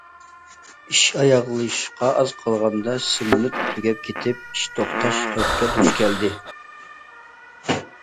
ئىش ئاياغلىشىشقا ئاز قالغاندا سېمونت تۈگەپ كېتىپ ئىش توختاش خەۋپىگە دۇچ كەلدى.